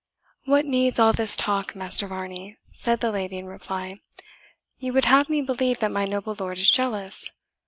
"What needs all this talk, Master Varney?" said the lady, in reply. "You would have me believe that my noble lord is jealous.